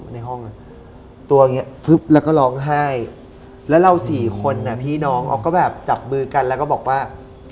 ในห้องตัวอย่างนี้แล้วก็ร้องไห้แล้วเราสี่คนอ่ะพี่น้องเขาก็แบบจับมือกันแล้วก็บอกว่า